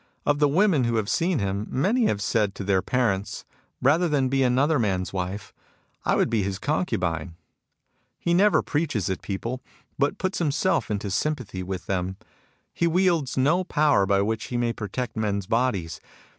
Of the women who have seen him, many have said to their parents, Rather than be another man's wife, I would be his concubine. " He never preaches at people, but puts him self into sympathy with them. He wields no power by which he may protect men's bodies.